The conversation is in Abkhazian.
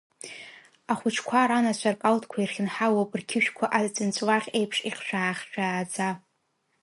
Ахәыҷқәа ранацәа ркалҭқәа ирхьынҳалоуп рқьышәқәа аҵәынҵәлаӷь еиԥш ихьшәаа-хьшәааӡа.